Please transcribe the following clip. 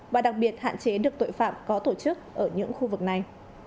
và đặc biệt hạn chế được tội phạm có tổ chức ở những khu vực này